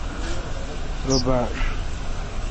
رو باݭ